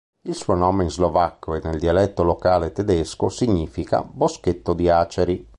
Il suo nome in slovacco e nel dialetto locale tedesco significa "boschetto di aceri".